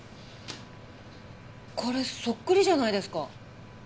これそっくりじゃないですか。